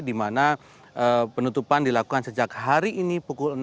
dimana penutupan dilakukan sejak hari ini pukul enam